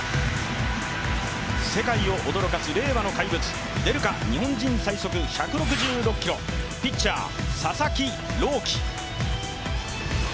世界を驚かす令和の怪物、出るか、日本人最速１６６キロ、ピッチャー・佐々木朗希。